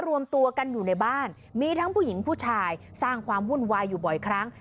รวมตัวกันอยู่ในบ้านมีทั้งผู้หญิงผู้ชายสร้างความวุ่นวายอยู่บ่อยครั้ง